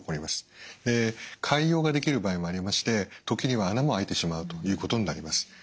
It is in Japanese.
で潰瘍ができる場合もありまして時には穴も開いてしまうということになります。